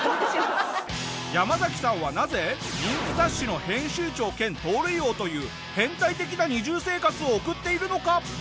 ヤマザキさんはなぜ人気雑誌の編集長兼盗塁王という変態的な二重生活を送っているのか？